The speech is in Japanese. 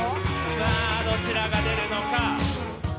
さあどちらが出るのか。